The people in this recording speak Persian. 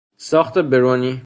ساخت برونی